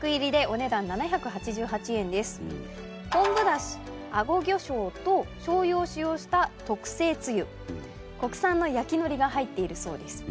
昆布だしあご魚醤と醤油を使用した特製つゆ国産の焼き海苔が入っているそうです。